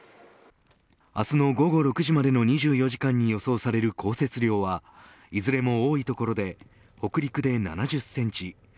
明日の午後６時までの２４時間に予想される降雪量は、いずれも多い所で北陸で７０センチ。